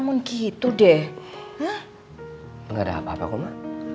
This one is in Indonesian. enggak ada apa apa kok ma